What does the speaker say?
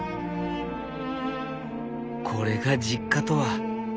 これが実家とは。